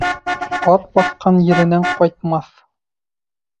Ат баҫҡан еренән ҡайтмаҫ.